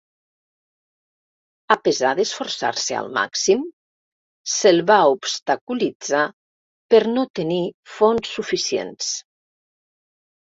A pesar d'esforçar-se al màxim, se'l va obstaculitzar per no tenir fons suficients.